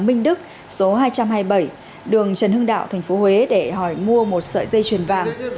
minh đức số hai trăm hai mươi bảy đường trần hưng đạo tp huế để hỏi mua một sợi dây chuyền vàng